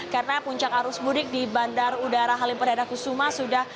karena puncak arus mudik di bandara udara halim perdana kusuma sudah